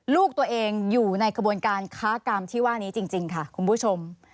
ลูกตัวเองอยู่ในกระบวนการค้ากรรมที่ว่านี้จริงค่ะคุณผู้ชม